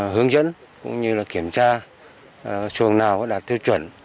hướng dẫn cũng như kiểm tra xuồng nào có đạt tiêu chuẩn